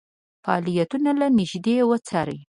فعالیتونه له نیژدې وڅاري.